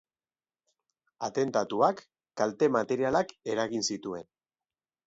Atentatuak kalte materialak eragin zituen.